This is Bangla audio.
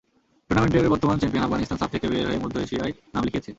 টুর্নামেন্টের বর্তমান চ্যাম্পিয়ন আফগানিস্তান সাফ থেকে বের হয়ে মধ্য এশিয়ায় নাম লিখেয়েছে।